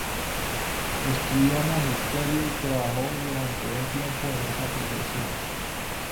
Estudió magisterio, y trabajó durante un tiempo en esa profesión.